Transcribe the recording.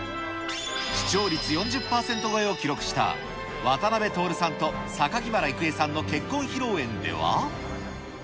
視聴率４０％超えを記録した、渡辺徹さんと榊原郁恵さんの結婚披露宴では。